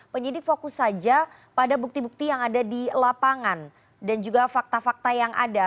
penyidik fokus saja pada bukti bukti yang ada di lapangan dan juga fakta fakta yang ada